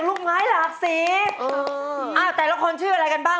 ลูกมาย